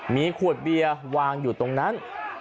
มีขวดเบียร์วางอยู่ตรงนั้น